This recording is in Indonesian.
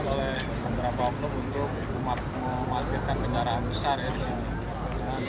ini juga dimanfaatkan oleh beberapa hukum untuk memarketkan kendaraan besar ya di sini